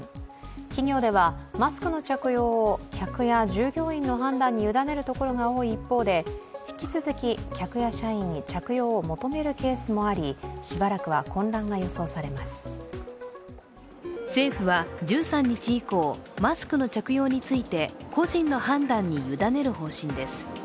企業では、マスクの着用を客や従業員の判断に委ねることが多い一方で引き続き客や社員に着用を求めるケースもあり、政府は１３日以降、マスクの着用について個人の判断に委ねる方針です。